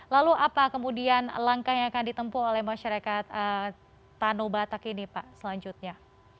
lalu apa kemudian langkah yang akan ditempuh oleh masyarakat tanah batak ini pak selanjutnya